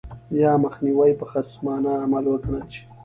یا مخنیوی به خصمانه عمل وګڼل شي.